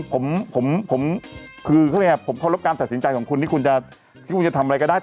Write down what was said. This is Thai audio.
ผมขอเคลียร์เรื่องนี้สักนิดนึงนะครับ